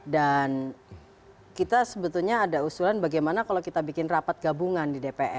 dan kita sebetulnya ada usulan bagaimana kalau kita bikin rapat gabungan di dpr